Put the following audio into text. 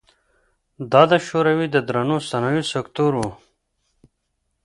دا د شوروي د درنو صنایعو سکتور و.